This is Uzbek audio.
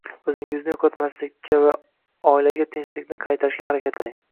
O‘zingizni yo‘qotmaslikka va oilaga tinchlikni qaytarishga harakat qiling.